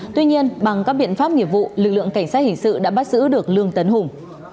tuy nhiên bằng các biện pháp nghiệp vụ lực lượng cảnh sát hình sự đã bắt giữ được lương tấn hùng